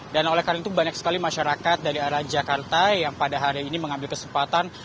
dan oleh karena itu banyak sekali masyarakat dari arah jakarta yang pada hari ini mengambil kesempatan